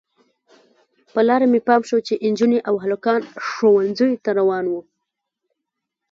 پر لاره مې پام شو چې نجونې او هلکان ښوونځیو ته روان وو.